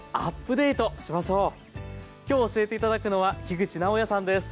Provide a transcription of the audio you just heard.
今日教えて頂くのは口直哉さんです。